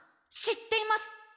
知っています！